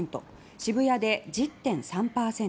渋谷で１０．３％